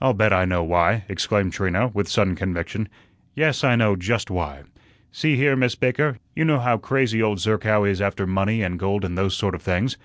"I'll bet I know why," exclaimed Trina, with sudden conviction; "yes, I know just why. See here, Miss Baker, you know how crazy old Zerkow is after money and gold and those sort of things."